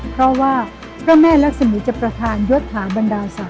เพราะว่าพระแม่รักษมีจะประธานยศถาบรรดาศาส